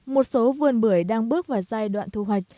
một số vườn bưởi đang bước vào giai đoạn thu hoạch